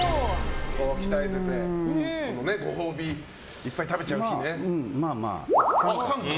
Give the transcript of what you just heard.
鍛えてて、ご褒美いっぱい食べちゃう日ね。